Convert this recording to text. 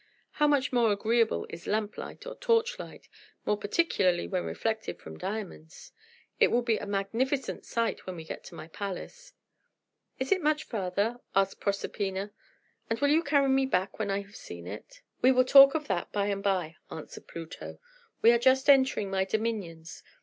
How much more agreeable is lamp light or torchlight, more particularly when reflected from diamonds! It will be a magnificent sight when we get to my palace." "Is it much farther?" asked Proserpina. "And will you carry me back when I have seen it?" "We will talk of that by and by," answered Pluto. "We are just entering my dominions.